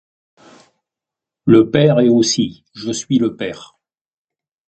Le père est aussi… Je suis le père.